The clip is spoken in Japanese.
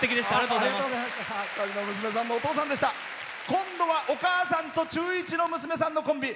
今度はお母さんと中１の娘さんのコンビ。